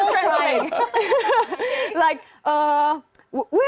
tidak tidak dia akan mencoba